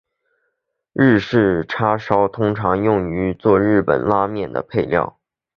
日式叉烧通常会用作日本拉面的配料。